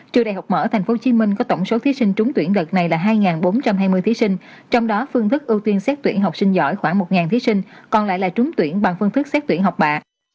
trường đại học mở tp hcm có tổng số thí sinh trúng tuyển đợt này là hai bốn trăm hai mươi thí sinh trong đó phương thức ưu tiên xét tuyển học sinh giỏi khoảng một thí sinh còn lại là trúng tuyển bằng phương thức xét tuyển học bạ